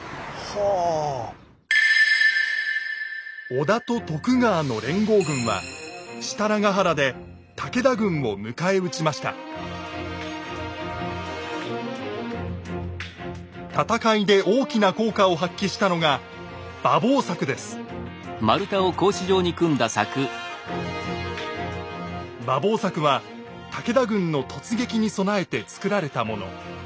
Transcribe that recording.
織田と徳川の連合軍は設楽原で武田軍を迎え撃ちました戦いで大きな効果を発揮したのが「馬防柵」は武田軍の突撃に備えて作られたもの。